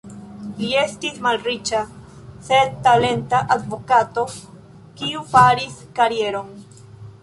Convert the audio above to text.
Li estis malriĉa, sed talenta advokato, kiu faris karieron.